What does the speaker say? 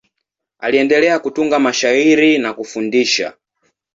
Aliendelea kutunga mashairi na kufundisha.